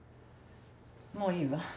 もういいわ。